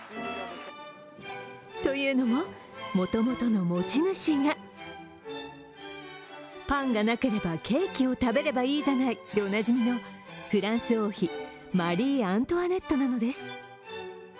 というのも、もともとの持ち主がパンがなければ、ケーキを食べればいいじゃないでおなじみのフランス王妃マリー・アントワネットなのです。